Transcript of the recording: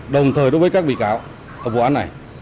đồng thời đối với các bị cáo ở vụ án này